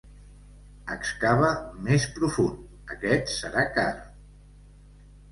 Excava més profund, aquest serà car!